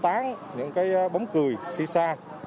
tán những cái bóng cười si sa